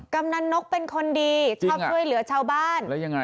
กำนันนกเป็นคนดีชอบช่วยเหลือชาวบ้าน